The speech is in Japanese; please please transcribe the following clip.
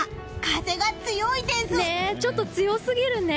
ちょっと強すぎるね。